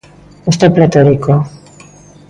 Estou pletórico.